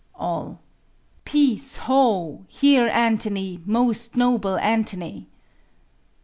All. Peace, ho! Hear Antony, most noble Antony.